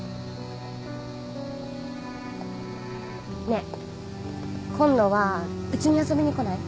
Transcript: ねえ今度はうちに遊びに来ない？